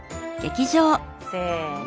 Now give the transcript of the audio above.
せの。